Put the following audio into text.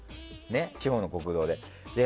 地方の国道で。